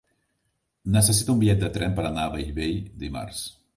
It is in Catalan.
Necessito un bitllet de tren per anar a Bellvei dimarts.